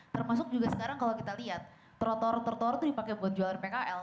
termasuk juga sekarang kalau kita lihat trotor trotoar itu dipakai buat jualan pkl